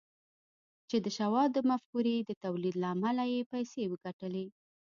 چې د شواب د مفکورې د توليد له امله يې پيسې وګټلې.